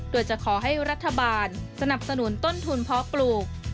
โดยจะขอให้รัฐบาลสนับสนุนต้นทุนเพาะปลูก